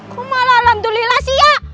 kau malah alhamdulillah sia